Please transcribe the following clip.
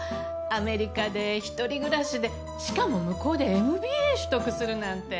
アメリカで一人暮らしでしかも向こうでＭＢＡ取得するなんて。